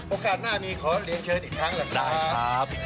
ขอบคุณมากเลยนะครับ